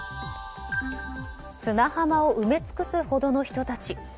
砂浜を埋め尽くすほどの人たち。